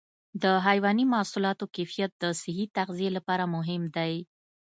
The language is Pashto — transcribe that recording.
د حيواني محصولاتو کیفیت د صحي تغذیې لپاره مهم دی.